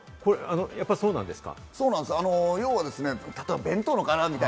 そうなんですか？